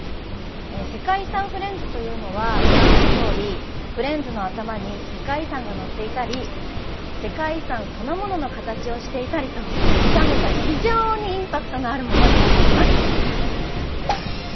世界遺産フレンズというのはご覧のとおりフレンズの頭に世界遺産がのっていたり世界遺産そのものの形をしていたりと見た目が非常にインパクトのあるものになっています。